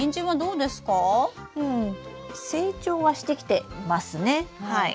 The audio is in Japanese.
うん成長はしてきていますねはい。